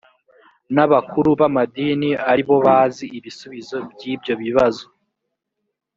n abakuru b amadini ari bo bazi ibisubizo by ibyo bibazo